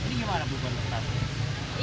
ini gimana bu